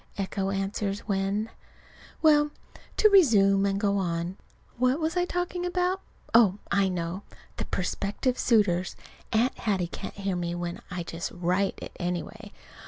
Echo answers when. Well, to resume and go on. What was I talking about? Oh, I know the prospective suitors. (Aunt Hattie can't hear me when I just write it, anyway.)